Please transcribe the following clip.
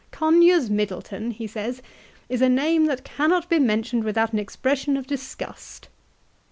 " Conyers Middleton," he says, " is a name that cannot be mentioned without an expression of disgust."